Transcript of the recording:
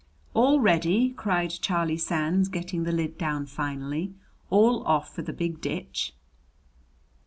"All ready!" cried Charlie Sands, getting the lid down finally. "All off for the Big Ditch!"